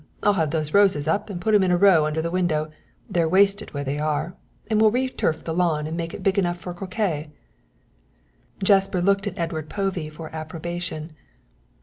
I'll have those roses up and put 'em in a row under the window, they're wasted where they are, and we'll re turf the lawn and make it big enough for croquet." Jasper looked at Edward Povey for approbation.